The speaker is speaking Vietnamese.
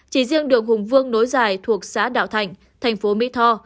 chỉ riêng đường hùng vương nối dài thuộc xã đạo thạnh thành phố mỹ tho